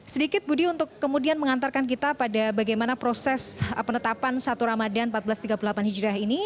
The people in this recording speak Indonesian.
sedikit budi untuk kemudian mengantarkan kita pada bagaimana proses penetapan satu ramadhan seribu empat ratus tiga puluh delapan hijrah ini